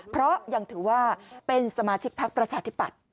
เพราะยังถือว่าเป็นสมาชิกพักประชาธิปัตย